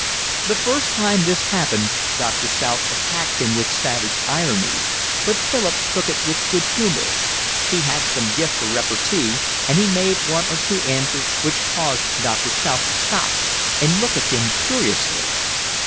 The first time this happened Doctor South attacked him with savage irony; but Philip took it with good humour; he had some gift for repartee, and he made one or two answers which caused Doctor South to stop and look at him curiously.